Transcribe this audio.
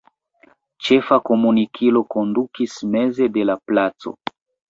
Ĉefa komunikilo kondukis meze de la placo.